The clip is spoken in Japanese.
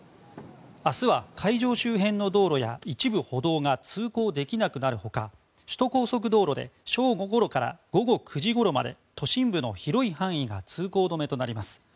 明日は会場周辺の道路や一部歩道が通行できなくなる他首都高速道路で正午ごろから午後９時ごろまで都心部の広い範囲が通行止めとなります。